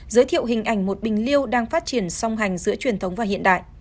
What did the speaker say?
giới thiệu hình ảnh một bình liêu đang phát triển song hành giữa truyền thống và hiện đại